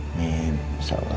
amin insya allah